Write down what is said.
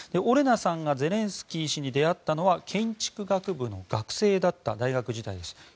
オレナさんがゼレンスキー氏に出会ったのは建築学部の学生だった大学時代です。